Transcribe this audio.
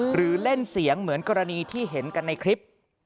หรือเล่นเสียงเหมือนกรณีที่เห็นกันในคลิป